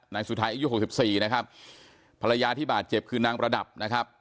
นายสุทัยอายุหกสิบสี่นะครับภรรยาที่บาดเจ็บคือนางประดับนะครับ